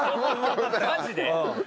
マジで？